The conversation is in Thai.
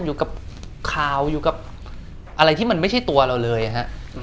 อยู่กับข่าวอยู่กับอะไรที่มันไม่ใช่ตัวเราเลยฮะ